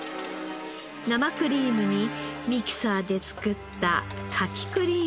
生クリームにミキサーで作ったカキクリームを合わせます。